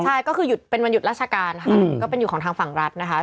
ใช่ก็คือหยุดเป็นวันหยุดราชการค่ะก็เป็นอยู่ของทางฝั่งรัฐนะคะ